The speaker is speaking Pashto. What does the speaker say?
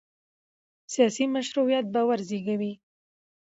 سیاسي مشروعیت باور زېږوي